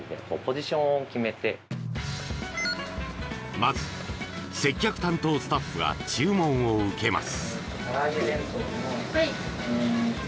まず、接客担当スタッフが注文を受けます。